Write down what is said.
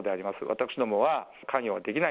私どもは関与はできない。